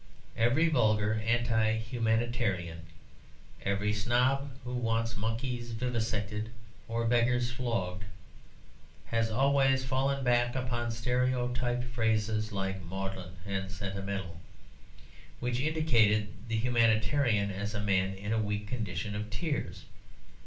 Every vulgar anti humanitarian, every snob who wants monkeys vivisected or beggars flogged has always fallen back upon stereotyped phrases like "maudlin" and "sentimental," which indicated the humanitarian as a man in a weak condition of tears.